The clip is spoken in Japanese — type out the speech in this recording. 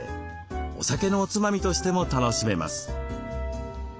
お酒のおつまみとしても楽しめます。